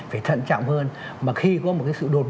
phải thận trọng hơn